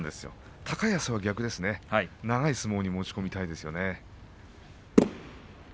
高安は逆に長い相撲に持ち込みたいでしょうね。